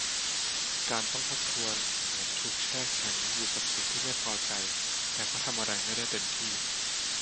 การต้องทบทวนหรือเหมือนถูกแช่แข็งอยู่กับสิ่งที่ไม่พอใจ แต่ก็ทำอะไรไม่ได้เต็มที่